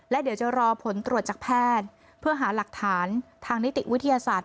และเดี๋ยวจะรอผลตรวจจากแพทย์เพื่อหาหลักฐานทางนิติวิทยาศาสตร์